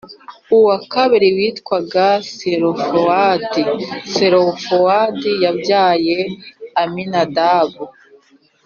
uwa kabiri witwaga Selofehadi Selofehadi yabyaye aminadabu